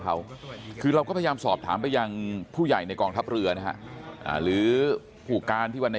หรือว่าผมทำงานอยู่กองไหน